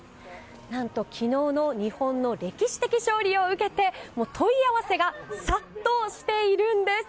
何と昨日の日本の歴史的勝利を受けて問い合わせが殺到しているんです。